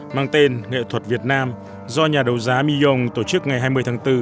mang tên nghệ thuật việt nam do nhà đấu giá millon tổ chức ngày hai mươi tháng bốn